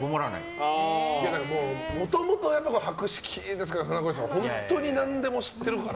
もともと博識ですから船越さんは本当に何でも知ってるから。